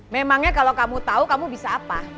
memangnya kalau kamu tahu kamu bisa apa